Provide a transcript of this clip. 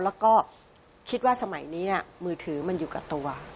แล้วก็คิดว่าสมัยนี้มือถือมันอยู่กับตัว